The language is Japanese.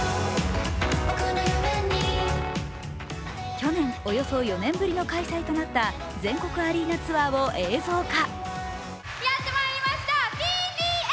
去年、およそ４年ぶりの開催となった全国アリーナツアーを映像化。